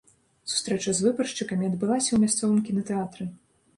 Сустрэча з выбаршчыкамі адбылася ў мясцовым кінатэатры.